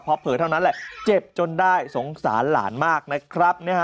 พอเผลอเท่านั้นแหละเจ็บจนได้สงสารหลานมากนะครับ